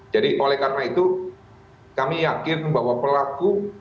jadi oleh karena itu kami yakin bahwa pelaku